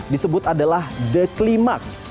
disebut adalah the climax